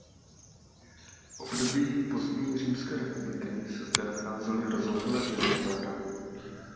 V období pozdní římské republiky se zde nacházely rozlehlé vily a zahrady.